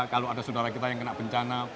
kalau ada saudara kita yang kena bencana